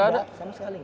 gak ada sama sekali